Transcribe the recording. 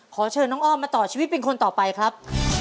ขอเชิญน้องอ้อมมาต่อชีวิตเป็นคนต่อไปครับ